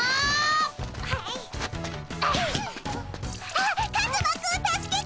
あっカズマくん助けて！